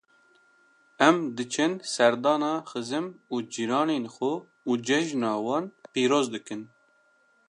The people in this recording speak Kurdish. Em diçin serdana xizim û cîranên xwe û cejna wan pîroz dikin.